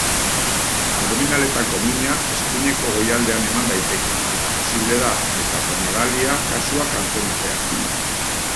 Abdominaletako mina eskuineko goialdean eman daiteke eta posible da hepatomegalia kasuak antzematea.